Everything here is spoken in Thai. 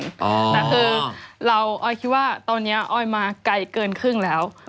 แต่คือเราออยคิดว่าตอนนี้ออยมาไกลเกินครึ่งแล้ว